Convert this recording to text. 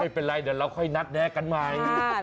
ไม่เป็นไรเราค่อยนัดแนกกันใหม่